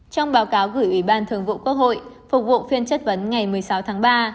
trong báo cáo gửi ủy ban thường vụ quốc hội phục vụ phiên chất vấn ngày một mươi sáu tháng ba